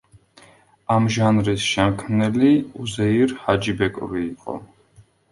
ამ ჟანრის შემქმნელი უზეირ ჰაჯიბეკოვი იყო.